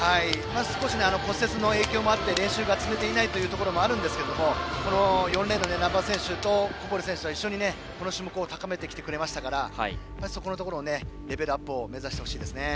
少し、骨折の影響もあって練習が積めていないところもありますが４レーンの難波選手と小堀選手が一緒にこの種目を高めてきてくれましたからそこのところでレベルアップを目指してほしいですね。